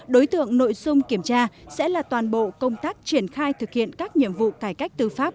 đối tượng nội dung kiểm tra sẽ là toàn bộ công tác triển khai thực hiện các nhiệm vụ cải cách tư pháp